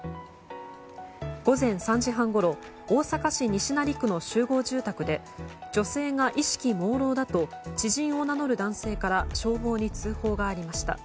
午前３時半ごろ大阪市西成区の集合住宅で女性が意識朦朧だと知人を名乗る男性から消防に通報がありました。